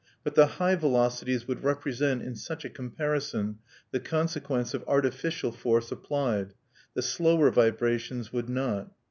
But the high velocities would represent, in such a comparison, the consequence of artificial force applied; the slower vibrations would not.